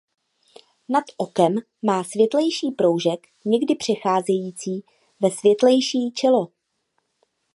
Nad okem má světlejší proužek někdy přecházející ve světlejší čelo.